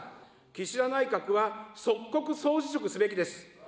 岸田内閣は即刻総辞職すべきです。